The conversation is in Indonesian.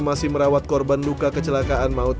masih merawat korban luka kecelakaan maut